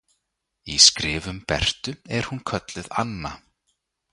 Í skrifum Bertu er hún kölluð Anna.